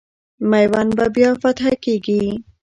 میوند به بیا فتح کېږي.